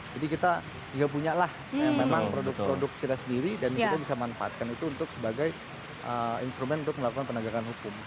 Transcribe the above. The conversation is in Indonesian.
jadi kita tinggal punya lah yang memang produk produk kita sendiri dan kita bisa manfaatkan itu sebagai instrumen untuk melakukan penegakan hukum